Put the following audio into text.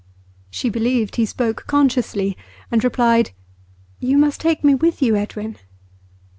She believed he spoke consciously, and replied: 'You must take me with you, Edwin.